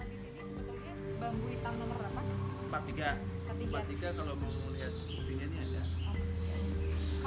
ini sebetulnya bambu hitam nomor apa